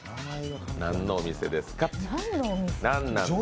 何のお店ですか？